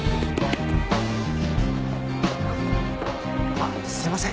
あっすいません。